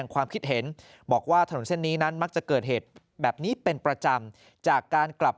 ความคิดเห็นบอกว่าถนนเส้นนี้นั้นมักจะเกิดเหตุแบบนี้เป็นประจำจากการกลับ